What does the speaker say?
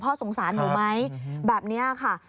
พ่อสงสารรู้ไหมแบบนี้ค่ะ